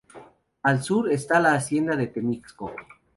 Al sur, está la hacienda de Temixco.